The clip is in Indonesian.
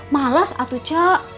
malas atuh cek